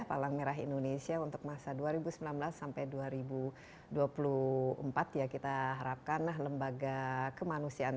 palang merah indonesia untuk masa dua ribu sembilan belas sampai dua ribu dua puluh empat ya kita harapkan lembaga kemanusiaan